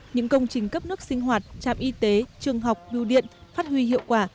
những công trình cấp nước sinh hoạt trạm y tế trường học bưu điện phát huy hiệu quả